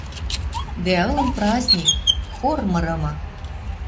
Дӓ ылын праздник — хор мырымы.